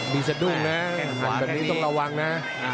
มีสะดุ้งนะหมัดแบบนี้ต้องระวังนะ